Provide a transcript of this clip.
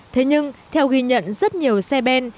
thế nhưng theo ghi nhận rất nhiều xe ben